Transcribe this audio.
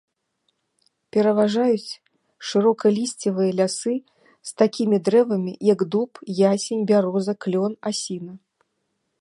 Пераважаюць шырокалісцевыя лясы з такімі дрэвамі, як дуб, ясень, бяроза, клён, асіна.